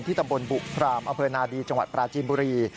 ที่ตำบลบุพราหมณ์อนาดีจังหวัดปราจิมบุรี